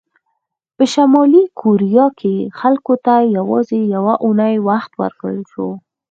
په شلي کوریا کې خلکو ته یوازې یوه اونۍ وخت ورکړل شو.